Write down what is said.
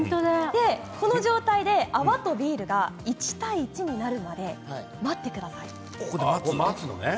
この状態で泡とビールが１対１になるまで待ってください。